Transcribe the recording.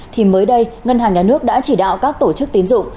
thì mới đây ngân hàng nhà nước đã chỉ đạo các tổ chức tín dụng